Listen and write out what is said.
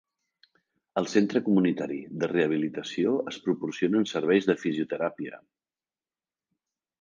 Al Centre Comunitari de Rehabilitació es proporcionen serveis de fisioteràpia.